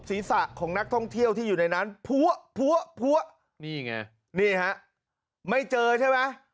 ศีรษะของนักท่องเที่ยวที่อยู่ในนั้นพัวพัวพัวนี่ไงนี่ฮะไม่เจอใช่ไหม